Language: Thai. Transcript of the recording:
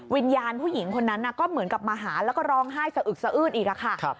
วิญญาณผู้หญิงคนนั้นก็เหมือนกับมาหาแล้วก็ร้องไห้สะอึกสะอื้นอีกค่ะ